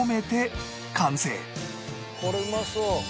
これうまそう！